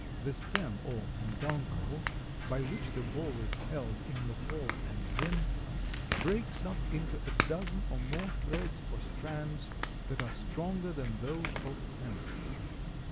The stem, or penduncle, by which the ball is held in the fall and winter, breaks up into a dozen or more threads or strands, that are stronger than those of hemp.